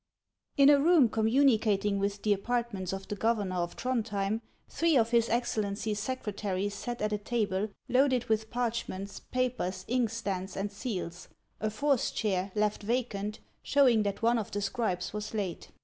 IX a room communicating with the apartments of the Governor of Throndhjein, three of his Excellency's secretaries sat at a table loaded with parchments, papers, inkstands, and seals, a fourth chair, left vacant, showing that one of the scribes was late.